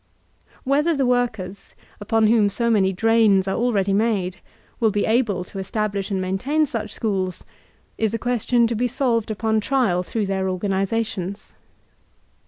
Whether the workers, upon whom so many drains are Modern Educational Reform 341 mlrcftdy made, will be able to establbh and maintain such schools, is a question to be solved upon trial through their organizations.